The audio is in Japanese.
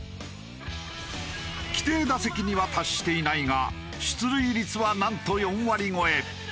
規定打席には達していないが出塁率はなんと４割超え。